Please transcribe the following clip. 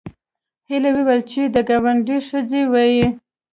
هیلې وویل چې د ګاونډي ښځې وې